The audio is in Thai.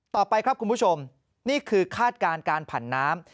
ต่อไปครับคุณผู้ชมนี่คือคาดการณ์การผันน้ำ